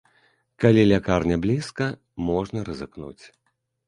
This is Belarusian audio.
Калі лякарня блізка, можна рызыкнуць.